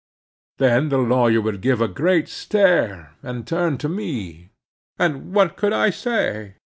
Then the lawyer would give a great stare, and turn to me. And what could I say?